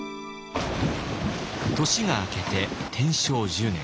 年が明けて天正１０年。